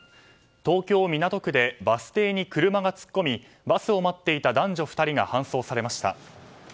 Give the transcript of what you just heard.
東京・港区でバス停に車が突っ込みバスを待っていた男女２人が搬送されました。